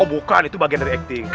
oh bukan itu bagian dari acting